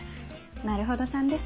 なるほどさんです。